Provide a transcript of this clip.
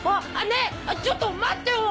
ねぇちょっと待ってよ